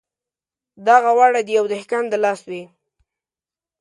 دغه واړه د یوه دهقان د لاس وې.